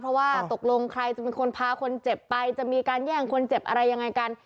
เพราะว่าตกลงใครจะเป็นคนพาคนเจ็บไปจะมีการแย่งคนเจ็บอะไรยังไงกัน